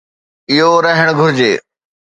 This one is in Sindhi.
اهو رهڻ گهرجي.